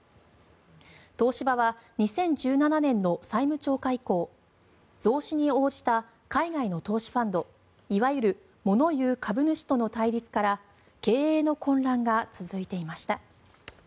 東芝は２０１７年の債務超過以降増資に応じた海外の投資ファンドいわゆるモノ言う株主との対立から経営の混乱が続いていました。